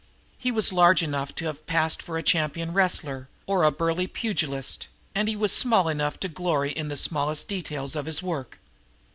He was large enough to have passed for a champion wrestler or a burly pugilist, and he was small enough to glory in the smallest details of his work.